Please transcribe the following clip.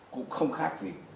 cũng không khác gì